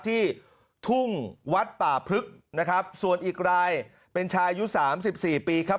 ที่ทุ่งวัดป่าพลึกนะครับส่วนอีกรายเป็นชายอายุสามสิบสี่ปีครับ